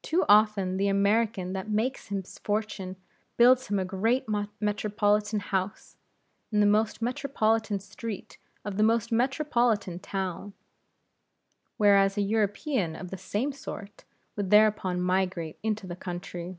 Too often the American that himself makes his fortune, builds him a great metropolitan house, in the most metropolitan street of the most metropolitan town. Whereas a European of the same sort would thereupon migrate into the country.